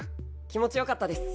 気持ち良かったです。